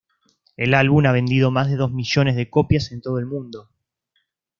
El álbum ha vendido más de dos millones de copias en todo el mundo.